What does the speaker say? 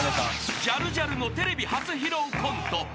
［ジャルジャルのテレビ初披露コント］